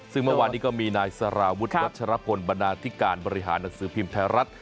ซึ่งเมื่อวานนี้ก็มีนายสารวุฒิวัชรพลบรรณาธิการบริหารหนังสือพิมพ์ไทยรัฐ